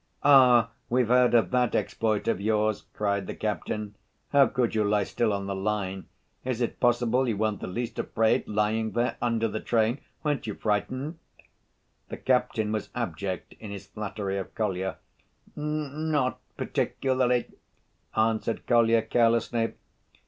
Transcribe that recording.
"Ah, we've heard of that exploit of yours, too," cried the captain. "How could you lie still on the line? Is it possible you weren't the least afraid, lying there under the train? Weren't you frightened?" The captain was abject in his flattery of Kolya. "N—not particularly," answered Kolya carelessly.